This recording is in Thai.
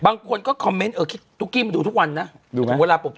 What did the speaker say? บางคนก็คอมเมนต์เออดุ๊กกี้มาดูทุกวันนะ